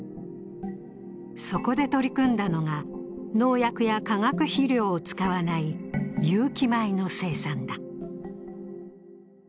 そこで取り組んだのが、農薬や化学肥料を使わない有機米の生産だ。